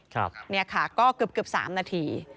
ครับเนี่ยค่ะก็กึบ๓นาที